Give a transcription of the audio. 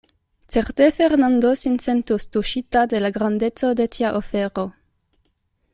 Certe Fernando sin sentus tuŝita de la grandeco de tia ofero.